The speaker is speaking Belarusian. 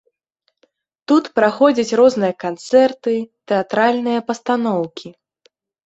Тут праходзяць розныя канцэрты, тэатральныя пастаноўкі.